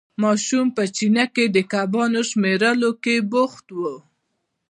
ماشوم په چینه کې د کبانو شمېرلو کې بوخت وو.